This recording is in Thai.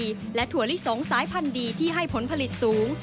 และถั่วลิสงสายพันธุ์ดีที่ให้ผลผลิตสูง